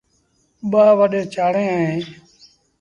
ٻآ وڏيݩ چآڙيٚن اوهيݩ۔